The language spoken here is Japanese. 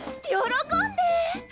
喜んで！